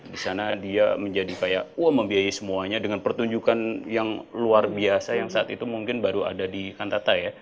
di sana dia menjadi kayak wah membiayai semuanya dengan pertunjukan yang luar biasa yang saat itu mungkin baru ada di kantata ya